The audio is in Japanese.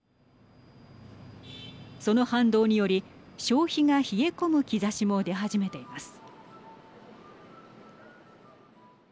その反動により消費が冷え込む兆しも出始めています。